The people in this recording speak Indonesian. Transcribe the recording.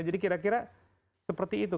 jadi kira kira seperti itu